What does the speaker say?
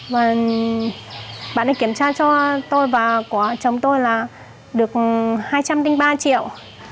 và bạn ấy kiểm tra cho tôi và của chồng tôi là được hai trăm linh ba triệu